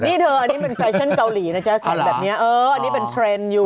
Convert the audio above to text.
นี่เธออันนี้เป็นแฟชั่นเกาหลีนะจ๊คทำแบบนี้เอออันนี้เป็นเทรนด์อยู่